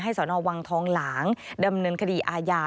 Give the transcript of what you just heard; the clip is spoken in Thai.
สนวังทองหลางดำเนินคดีอาญา